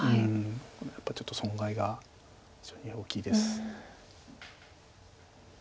やっぱちょっと損害が非常に大きいです。